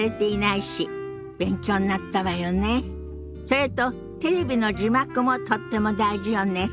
それとテレビの字幕もとっても大事よね。